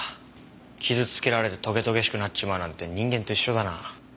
傷つけられてとげとげしくなっちまうなんて人間と一緒だな。